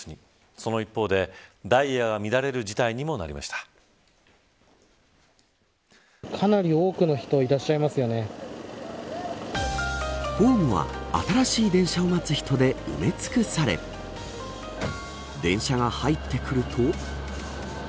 その一方で、ダイヤが乱れるかなり多くの人ホームは新しい電車を待つ人で埋め尽くされ電車が入ってくると。